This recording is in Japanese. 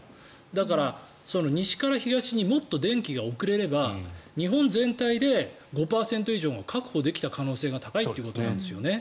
だから、西から東にもっと電気が送れれば日本全体で５％以上が確保できた可能性が高いということなんですね。